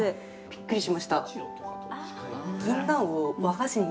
びっくりしました。